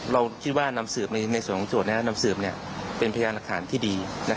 เราคิดว่าน้ำเสือบนี้เป็นพยานรักฐานที่ดี